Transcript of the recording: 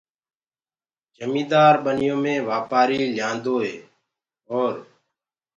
جميندآر ٻنيو مي وآپآري ليآندوئي اور